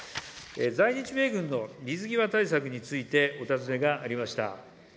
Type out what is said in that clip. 在日米軍の水際対策についてお尋ねがありました。